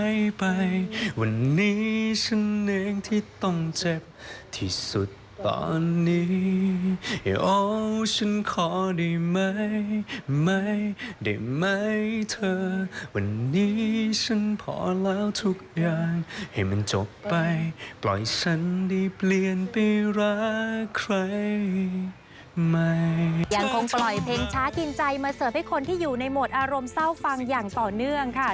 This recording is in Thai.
ยังคงปล่อยเพลงช้ากินใจมาเสิร์ฟให้คนที่อยู่ในโหมดอารมณ์เศร้าฟังอย่างต่อเนื่องค่ะ